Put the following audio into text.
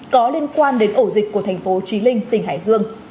có liên quan đến ổ dịch của thành phố trí linh tỉnh hải dương